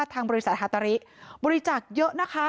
ทางบริษัทฮาตาริบริจาคเยอะนะคะ